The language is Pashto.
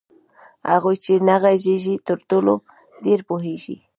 هغوئ چي نه ږغيږي ترټولو ډير پوهيږي